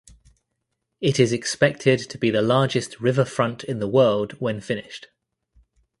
It is expected to be the largest riverfront of the world when finished.